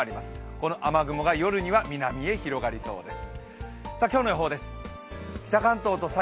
この雨雲が夜には南へ広がりそうです。